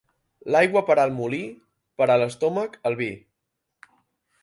L'aigua per al molí; per a l'estómac, el vi.